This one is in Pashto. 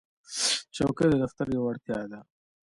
چوکۍ د دفتر یوه اړتیا ده.